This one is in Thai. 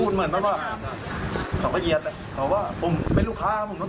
แล้วยกนิ้วให้ครองลับครับพี่